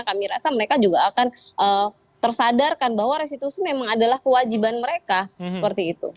kami rasa mereka juga akan tersadarkan bahwa restitusi memang adalah kewajiban mereka seperti itu